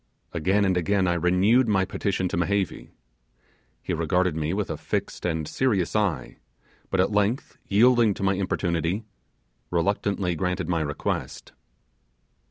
Again and again I renewed my petition to Mehevi. He regarded me with a fixed and serious eye, but at length yielding to my importunity, reluctantly granted my request.